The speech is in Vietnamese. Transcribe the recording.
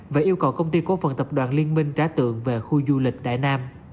và yêu cầu công ty cố phần tập đoàn liên minh trả tượng về khu du lịch đại nam